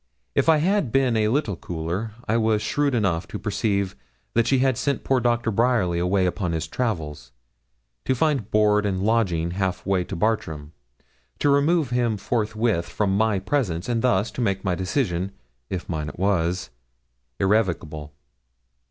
If I had been a little cooler I was shrewd enough to perceive that she had sent poor Doctor Bryerly away upon his travels, to find board and lodging half way to Bartram, to remove him forthwith from my presence, and thus to make my decision if mine it was irrevocable.